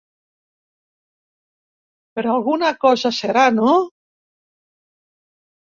Per alguna cosa serà, no?